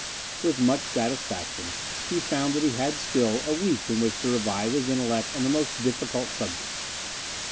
With much satisfaction he found that he had still a week in which to revive his intellect on the most difficult subjects.